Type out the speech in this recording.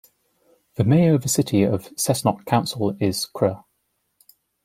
The Mayor of the City of Cessnock Council is Cr.